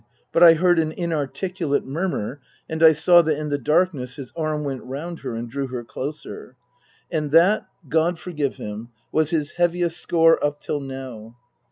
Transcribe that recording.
But I heard an inarticulate murmur, and I saw that in the darkness his arm went round her and drew her closer. And that, God forgive him, was his heaviest score up till now.